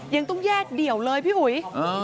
ยังต้องแยกเดี่ยวเลยพี่อุ๋ย